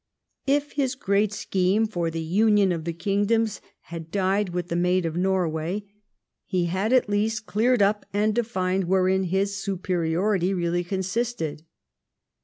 If his great scheme for the union of the kingdoms had died with the Maid of Norway, he had at least cleared up and defined wherein his superiority really consisted.